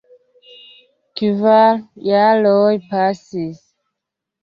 Kvar jaroj pasis.